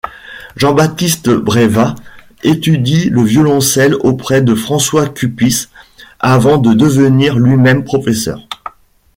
Jean-Baptiste Bréval étudie le violoncelle auprès de François Cupis, avant de devenir lui-même professeur.